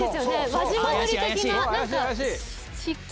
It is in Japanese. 輪島塗的な、なんか、漆器？